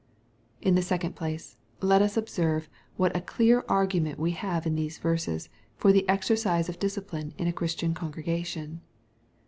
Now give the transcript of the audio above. In the second place, let us observe what a clear argu^ merit we have in these verses for the exercise of discipline in a Christian congregation.